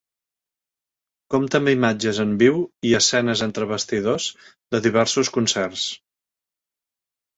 Compta amb imatges en viu i escenes entre bastidors de diversos concerts.